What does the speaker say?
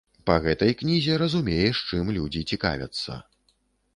Па гэтай кнізе разумееш, чым людзі цікавяцца.